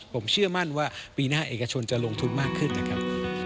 ผมเชื่อมั่นว่าปีหน้าเอกชนจะลงทุนมากขึ้นนะครับ